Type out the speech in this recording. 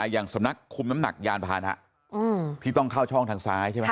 อย่างสำนักคุมน้ำหนักยานพานะที่ต้องเข้าช่องทางซ้ายใช่ไหม